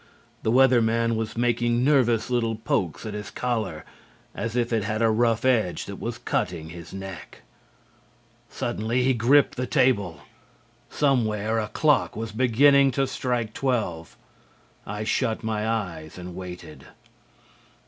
The Weather Man was making nervous little pokes at his collar, as if it had a rough edge that was cutting his neck. Suddenly he gripped the table. Somewhere a clock was beginning to strike twelve. I shut my eyes and waited.